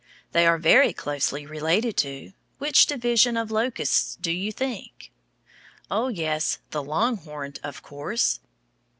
They are very closely related to which division of locusts, do you think? Oh, yes, the longhorned, of course.